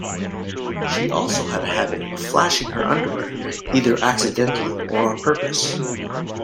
She also had a habit of flashing her underwear either accidentally or on purpose.